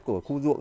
của khu ruộng